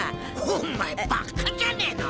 お前バッカじゃねの！？